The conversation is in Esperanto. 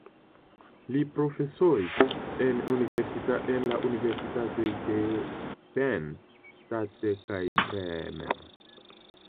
Li profesoris en la universitatoj de Penn State kaj Bremen.